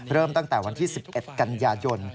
เริ่มตั้งแต่วันที่๑๑กันยายน